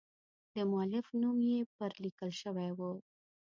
د مؤلف نوم یې پر لیکل شوی و.